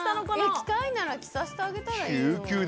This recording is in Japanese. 着たいなら着させてあげたらいいのに。